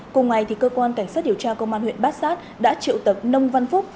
cùng ngày cơ quan cảnh sát điều tra công an huyện bát sát đã triệu tập nông văn phúc